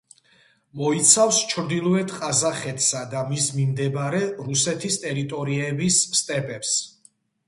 მოიცავს ჩრდილოეთ ყაზახეთსა და მის მიმდებარე რუსეთის ტერიტორიების სტეპებს.